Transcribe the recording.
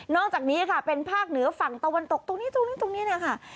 อกจากนี้ค่ะเป็นภาคเหนือฝั่งตะวันตกตรงนี้ตรงนี้ตรงนี้นะคะ